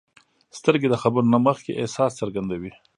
سترګې د خبرو نه مخکې احساس څرګندوي